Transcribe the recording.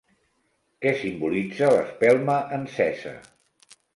Què simbolitza l'espelma encesa?